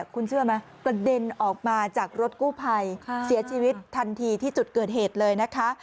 คุณเชื่อไหมกระเด็นออกมาจากรถกู้ภัยเสียชีวิตทันทีที่จุดเกิดเหตุเลยนะคะ